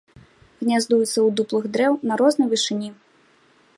Гняздуецца ў дуплах дрэў на рознай вышыні.